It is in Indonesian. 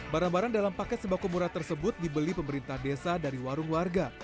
barang barang dalam paket sembako murah tersebut dibeli pemerintah desa dari warung warga